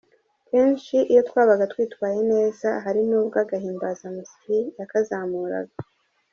Kenshi iyo twabaga twitwaye neza hari nubwo agahimbazamusyi yakazamuraga.